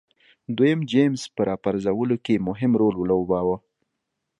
دویم جېمز په راپرځولو کې یې مهم رول ولوباوه.